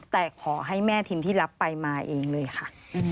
แต่ขอให้แม่ทิมที่รับไปมาเองเลยค่ะ